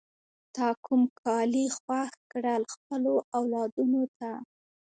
تا کوم کالی خوښ کړل خپلو اولادونو ته؟